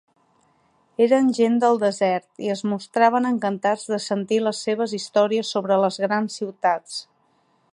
Eren gent del desert i es mostraven encantats de sentir les seves històries sobre les grans ciutats.